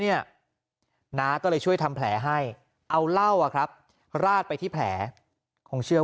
น้าก็เลยช่วยทำแผลให้เอาเหล้าราดไปที่แผลคงเชื่อ